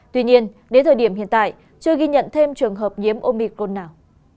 tuy nhiên đến thời điểm hiện tại chưa ghi nhận thêm trường hợp nhiễm omicon nào